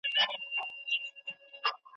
څېړونکی د ليکني تېروتني څنګه سموي؟